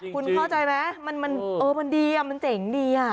คุณเข้าใจไหมมันดีมันเจ๋งดี